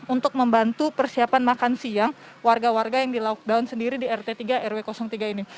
untuk membantu persiapan makan siang warga warga yang di lockdown sendiri di rt tiga rw tiga ini